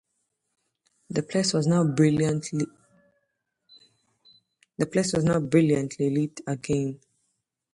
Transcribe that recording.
The place was now brilliantly lit again.